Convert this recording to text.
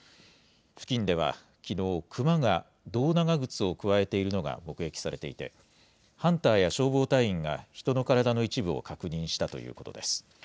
付近ではきのう、クマが胴長靴をくわえているのが目撃されていて、ハンターや消防隊員が人の体の一部を確認したということです。